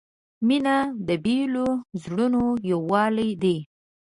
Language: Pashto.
• مینه د بېلو زړونو یووالی دی.